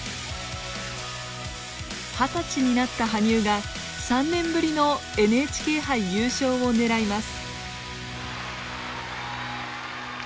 二十歳になった羽生が３年ぶりのＮＨＫ杯優勝をねらいます。